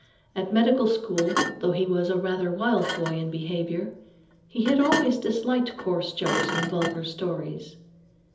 At medical school, though he was a rather wild boy in behavior, he had always disliked coarse jokes and vulgar stories.